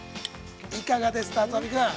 いかがですか。